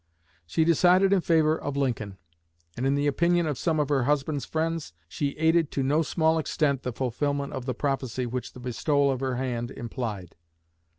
She decided in favor of Lincoln; and in the opinion of some of her husband's friends she aided to no small extent in the fulfilment of the prophecy which the bestowal of her hand implied."